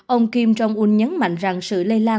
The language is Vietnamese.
ông kim jong un nhấn mạnh rằng sự lây lan